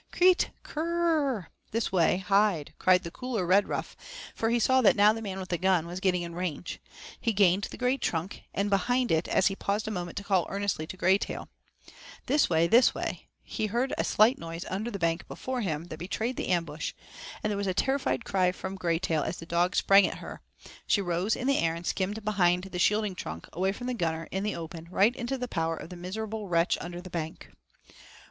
'Kreet, k r r r' (This way, hide), cried the cooler Redruff, for he saw that now the man with the gun was getting in range. He gained the great trunk, and behind it, as he paused a moment to call earnestly to Graytail, 'This way, this way,' he heard a slight noise under the bank before him that betrayed the ambush, then there was a terrified cry from Graytail as the dog sprang at her, she rose in air and skimmed behind the shielding trunk, away from the gunner in the open, right into the power of the miserable wretch under the bank.